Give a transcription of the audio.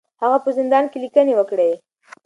هغه په زندان کې لیکنې وکړې.